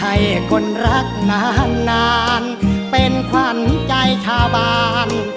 ให้คนรักนานเป็นขวัญใจชาวบ้าน